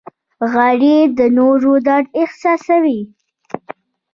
غریب د نورو درد احساسوي